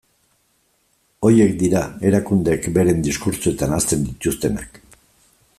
Horiek dira erakundeek beren diskurtsoetan ahazten dituztenak.